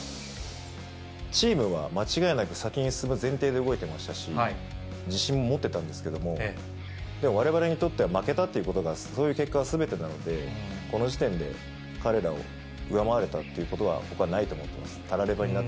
チームは間違いなく先に進む前提で動いてましたし、自信も持ってたんですけども、でもわれわれにとっては、負けたっていうことが、そういう結果がすべてなので、この時点で、彼らを上回れたっていうことは、僕はないと思ってます。